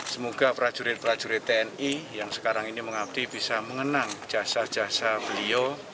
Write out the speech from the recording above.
semoga prajurit prajurit tni yang sekarang ini mengabdi bisa mengenang jasa jasa beliau